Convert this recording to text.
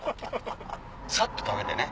サッと食べてね